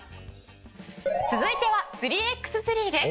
続いては３ｘ３です。